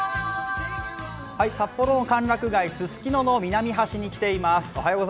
札幌の歓楽街・すすきのの南端に来ています。